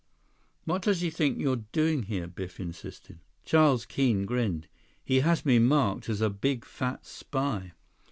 "What does he think you're doing here?" Biff insisted. Charles Keene grinned. "He has me marked as a big fat spy."